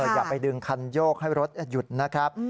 อย่าไปดึงคันโยกให้รถหยุดนะครับ